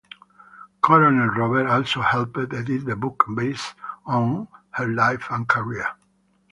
Colonel Robert also helped edit the book based on her life and career.